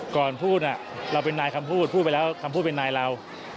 ก่อนพูดเราเป็นนายคำพูดพูดไปแล้วคำพูดเป็นนายเรา